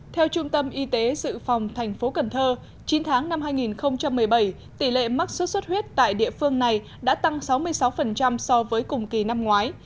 theo trung tâm y tế dự phòng thành phố cần thơ chín tháng năm hai nghìn một mươi bảy tỷ lệ mắc sốt xuất huyết tại địa phương này đã tăng sáu mươi sáu so với cùng kỳ năm ngoái